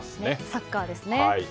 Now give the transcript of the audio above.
サッカーですね。